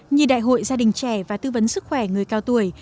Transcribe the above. như đại hội gia đình trẻ và tư vấn sức khỏe người cao tuổi